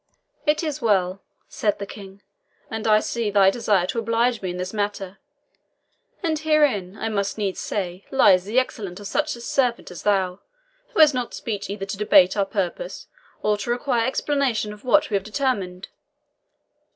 "It is well," said the King; "and I see thy desire to oblige me in this matter. And herein, I must needs say, lies the excellence of such a servant as thou, who hast not speech either to debate our purpose or to require explanation of what we have determined.